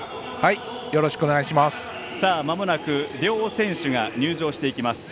まもなく、両選手が入場していきます。